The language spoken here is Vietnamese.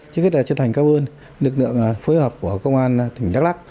chúng tôi đã truy tìm các lực lượng phối hợp của công an tỉnh đắk lắc